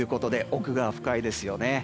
奥が深いですよね。